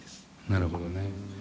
なるほどね。